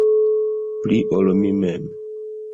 Pli, ol mi mem.